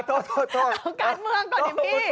เอาการเมืองก่อนดิพี่